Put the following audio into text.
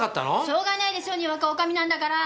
しょうがないでしょにわか女将なんだから！